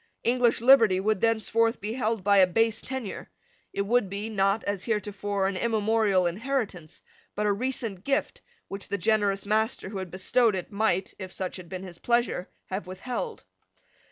English liberty would thenceforth be held by a base tenure. It would be, not, as heretofore, an immemorial inheritance, but a recent gift which the generous master who had bestowed it might, if such had been his pleasure, have withheld.